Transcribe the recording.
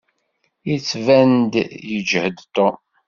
Yettban-d yeǧhed Tom.